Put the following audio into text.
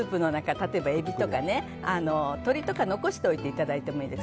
例えば、エビとか鶏とか残しておいてもいいです。